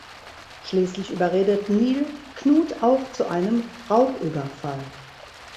Schließlich überredet Nil Knut auch zu einem Raubüberfall.